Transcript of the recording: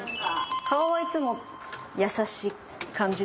顔はいつも優しい感じです